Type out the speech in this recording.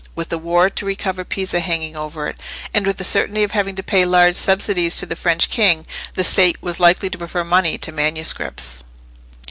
With a war to recover Pisa hanging over it, and with the certainty of having to pay large subsidies to the French king, the State was likely to prefer money to manuscripts.